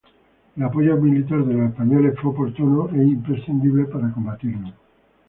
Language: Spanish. El apoyo militar de los españoles fue oportuno e imprescindible para combatirlos.